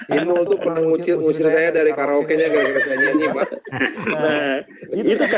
ibu tuh pengusir saya dari karaoke nya nggak bisa nyanyi pak